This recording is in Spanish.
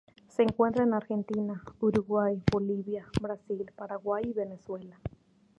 Se encuentra en Argentina, Uruguay, Bolivia, Brasil, Paraguay y Venezuela.